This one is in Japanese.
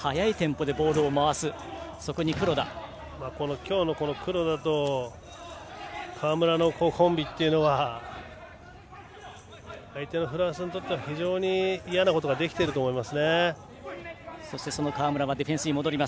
今日の黒田と川村のコンビは相手のフランスにとっては非常に嫌なことができていると思います。